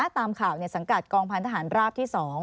ตามข่าวในสังกัดกองพันธหารราบที่๒